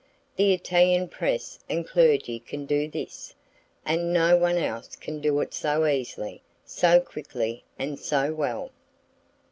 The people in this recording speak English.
The Italian press and clergy can do this; and no one else can do it so easily, so quickly and so well!